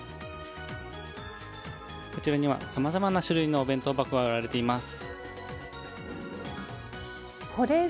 こちらにはさまざまな種類のお弁当箱が売られています。